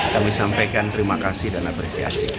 kami sampaikan terima kasih dan apresiasi